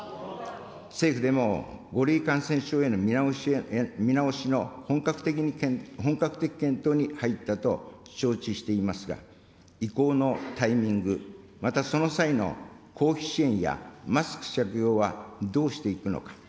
政府でも、５類感染症への見直しの本格的検討に入ったと承知していますが、移行のタイミング、またその際の公費支援やマスク着用は、どうしていくのか。